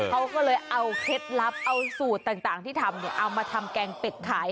เขาก็เลยเอาเคล็ดลับเอาสูตรต่างที่ทำเอามาทำแกงเป็ดขาย